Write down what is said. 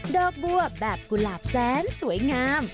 ดอกบัวแบบกุหลาบแสนสวยงาม